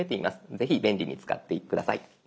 ぜひ便利に使って下さい。